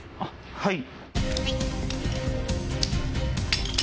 はい。